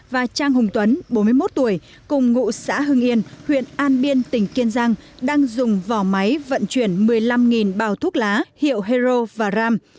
và trang hùng tuấn bốn mươi một tuổi cùng ngụ xã hưng yên huyện an biên tỉnh kiên giang đang dùng vỏ máy vận chuyển một mươi năm bào thuốc lá hiệu hero và ram